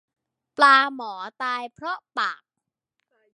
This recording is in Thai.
ปลาหมอตายเพราะปาก